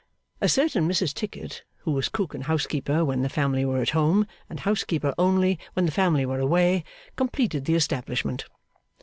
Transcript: A certain Mrs Tickit, who was Cook and Housekeeper when the family were at home, and Housekeeper only when the family were away, completed the establishment.